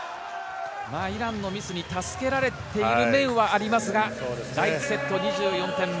イランのミスに助けられている面はありますが、第１セット、２４点目。